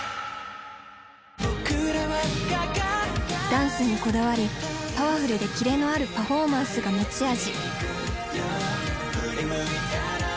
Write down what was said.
ダンスにこだわりパワフルでキレのあるパフォーマンスが持ち味。